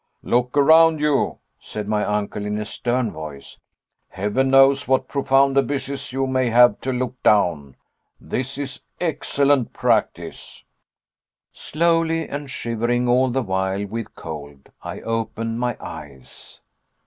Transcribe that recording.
"Look around you," said my uncle in a stern voice, "heaven knows what profound abysses you may have to look down. This is excellent practice." Slowly, and shivering all the while with cold, I opened my eyes.